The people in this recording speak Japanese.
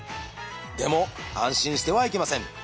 でも安心してはいけません。